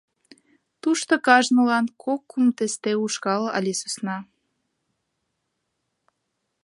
Тушто кажнылан кок-кум тесте ушкал але сӧсна.